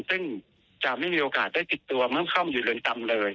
ซึ่งจะไม่มีโอกาสได้ติดตัวเมื่อเข้ามาอยู่เรือนจำเลย